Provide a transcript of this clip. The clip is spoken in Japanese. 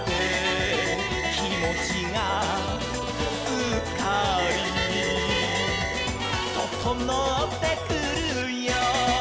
「きもちがすっかり」「ととのってくるよ」